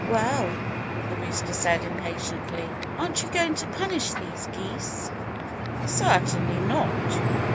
"Well!" the rooster said impatiently. "Aren't you going to punish these geese?" "Certainly not!"